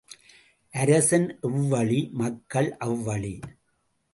அரசன் எவ்வழி மக்கள் அவ்வழி.